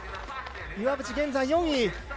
岩渕は現在４位。